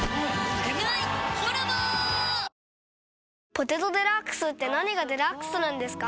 「ポテトデラックス」って何がデラックスなんですか？